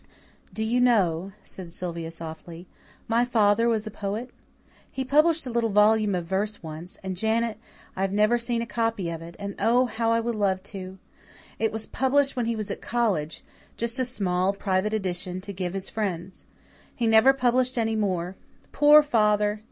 "Do you know," said Sylvia softly, "my father was a poet? He published a little volume of verse once; and, Janet, I've never seen a copy of it, and oh, how I would love to! It was published when he was at college just a small, private edition to give his friends. He never published any more poor father!